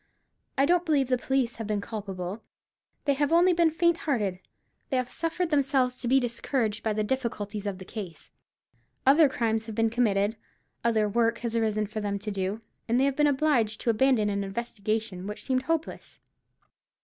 I don't believe the police have been culpable; they have only been faint hearted. They have suffered themselves to be discouraged by the difficulties of the case. Other crimes have been committed, other work has arisen for them to do, and they have been obliged to abandon an investigation which seemed hopeless.